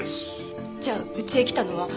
じゃあうちへ来たのは。